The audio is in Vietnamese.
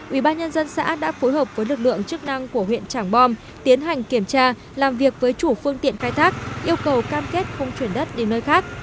ubnd xã đã phối hợp với lực lượng chức năng của huyện trảng bom tiến hành kiểm tra làm việc với chủ phương tiện khai thác yêu cầu cam kết không chuyển đất đi nơi khác